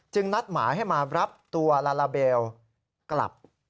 นัดหมายให้มารับตัวลาลาเบลกลับ